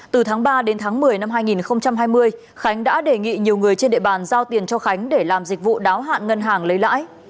từ tháng ba đến tháng một mươi năm hai nghìn hai mươi khánh đã đề nghị nhiều người trên địa bàn giao tiền cho khánh để làm dịch vụ đáo hạn ngân hàng lấy lãi